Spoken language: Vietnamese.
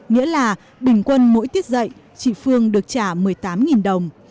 nghĩa là bình quân mỗi tiết dạy chị phương được trả một mươi tám đồng